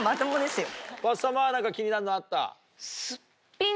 ファッサマは何か気になるのあった？